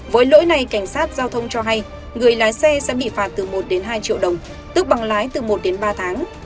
với lỗi này cảnh sát giao thông cho hay người lái xe sẽ bị phạt từ một đến hai triệu đồng tức bằng lái từ một đến ba tháng